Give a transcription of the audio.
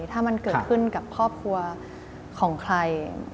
ถ้ามันเกิดขึ้นกับครอบครัวของใคร